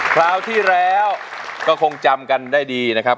คราวที่แล้วก็คงจำกันได้ดีนะครับ